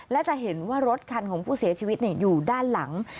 และจะเห็นว่ารถคันของผู้เสียชีวิตอยู่ด้านหลัง